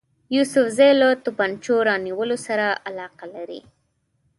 یوسفزي له توپنچو رانیولو سره علاقه لري.